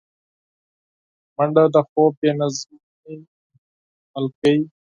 منډه د خوب بې نظمۍ حل کوي